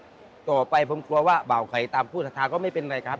ตรงตัวไปผมกลัวว่าเงินบ่าวตามผู้ทราบจะไม่เป็นไรครับครับ